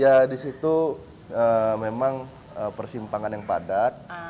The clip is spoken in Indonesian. ya di situ memang persimpangan yang padat